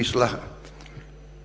islah faham ya